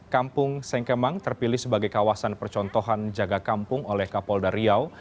kampung sengkemang terpilih sebagai kawasan percontohan jaga kampung oleh kapolda riau